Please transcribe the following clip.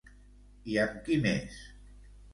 I amb qui més?